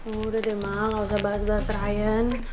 udah deh ma nggak usah bahas bahas ryan